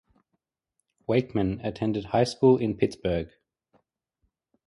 Wakeman attended high school in Pittsburgh.